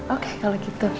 oke kalau gitu